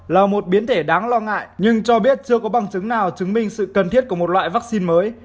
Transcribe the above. là một biến thể đáng lo ngại nhưng cho biết chưa có bằng chứng nào chứng minh sự cần thiết của một loại vaccine mới